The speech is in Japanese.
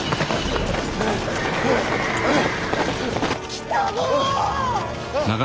来たぞ！